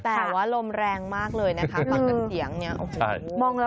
แต่ว่าลมแรงมากเลยนะคะฝั่งกันเถียงนี่